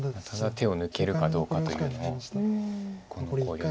ただ手を抜けるかどうかというのを。